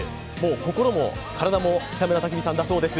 心も体も北村匠海さんだそうです。